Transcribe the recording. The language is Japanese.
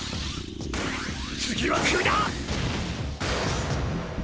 次は首だ！！